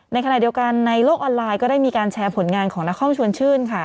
ในขณะเดียวกันในโลกออนไลน์ก็ได้มีการแชร์ผลงานของนครชวนชื่นค่ะ